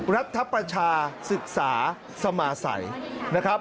รัฐประชาศึกษาสมาสัยนะครับ